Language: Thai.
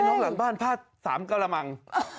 น้องหลังบ้านผ้า๓กรมัง